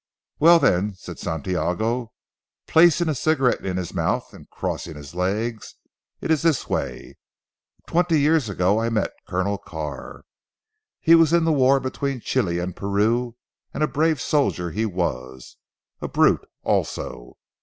"Well then," said Santiago placing a cigarette in his mouth and crossing his legs, "it is this way. Twenty years ago I met Colonel Carr. He was in the war between Chili and Peru, and a brave soldier he was. A brute also.